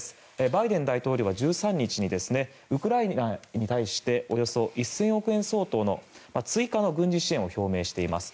バイデン大統領は１３日にウクライナに対しておよそ１０００億円相当の追加の軍事支援を表明しています。